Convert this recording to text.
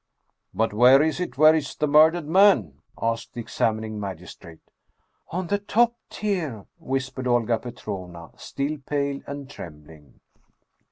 "But where is it where is the murdered man?" asked the examining magistrate. "On the top tier," whispered Olga Petrovna, still pale and trembling.